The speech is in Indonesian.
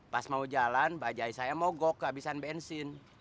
pas mau jalan bajai saya mogok kehabisan bensin